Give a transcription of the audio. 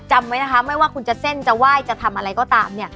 จำไว้นะคะไม่ว่าคุณจะเส้นจะไหว้จะทำอะไรก็ตามเนี่ย